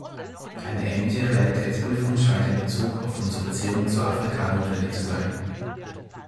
Eine ähnliche Realitätsprüfung scheint in Bezug auf unsere Beziehungen zu Afrika notwendig zu sein.